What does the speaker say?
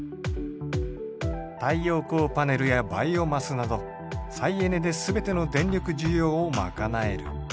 太陽光パネルやバイオマスなど再エネで全ての電力需要を賄える。